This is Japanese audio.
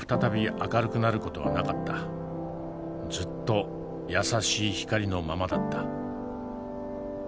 ずっと優しい光のままだった。